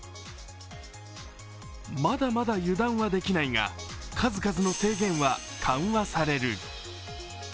まだまだ油断はできないが、数々の制限は緩和される。